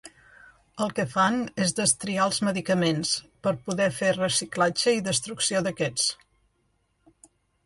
El que fan és destriar els medicaments, per poder fer reciclatge i destrucció d'aquests.